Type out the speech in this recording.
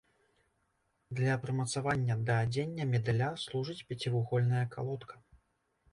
Для прымацавання да адзення медаля служыць пяцівугольная калодка.